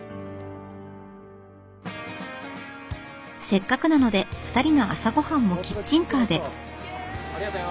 せっかくなので２人の朝ごはんもキッチンカーで。